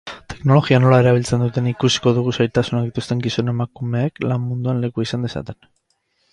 Teknologia nola erabiltzen duten ikusiko dugu zailtasunak dituzten gizon-emakumeek lan-munduan lekua izan dezaten.